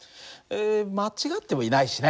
間違ってもいないしね。